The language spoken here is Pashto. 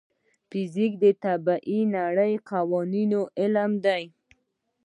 فزیک د طبیعي نړۍ د قوانینو علم دی.